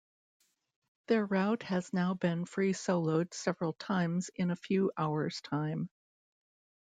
Their route has now been free soloed several times in a few hours' time.